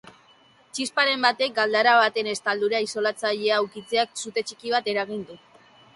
Txisparen batek galdara baten estaldura isolatzailea ukitzeak sute txiki bat eragin du.